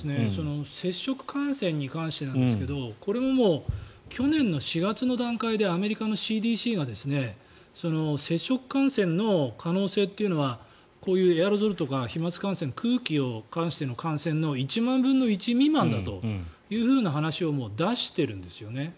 接触感染についてですがこれももう去年の４月の段階でアメリカのＣＤＣが接触感染の可能性というのはエアロゾルとか飛まつ感染空気を介しての感染の１万分の１未満だという話を出しているんですね。